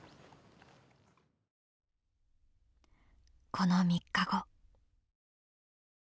この３日後。